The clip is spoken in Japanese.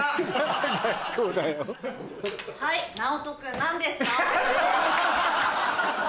はいＮＡＯＴＯ君何ですか？